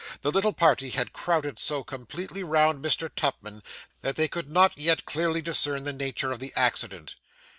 The little party had crowded so completely round Mr. Tupman, that they could not yet clearly discern the nature of the accident.